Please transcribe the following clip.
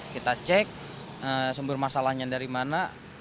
kita cek sumber masalahnya dari mana